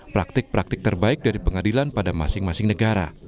praktik praktik terbaik dari pengadilan pada masing masing negara